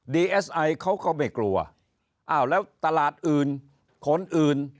เอสไอเขาก็ไม่กลัวอ้าวแล้วตลาดอื่นคนอื่น